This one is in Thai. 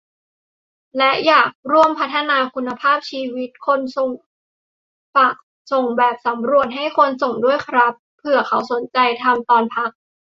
และอยากร่วมพัฒนาคุณภาพชีวิตคนส่ง - ฝากส่งแบบสำรวจ ให้คนส่งด้วยครับ เผื่อเขาสนใจทำตอนพัก